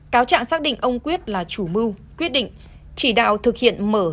cáo trạng xác định ông quyết là chủ mưu quyết định chỉ đạo thực hiện mở